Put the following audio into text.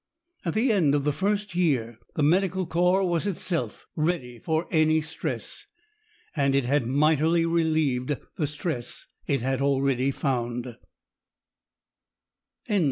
At the end of the first year, the Medical Corps was itself ready for any stress, and it had mightily relieved the stress it had already found.